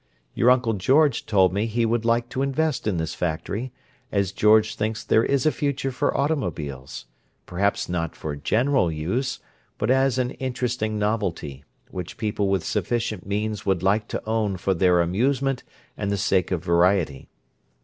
Your Uncle George told me he would like to invest in this factory, as George thinks there is a future for automobiles; perhaps not for general use, but as an interesting novelty, which people with sufficient means would like to own for their amusement and the sake of variety.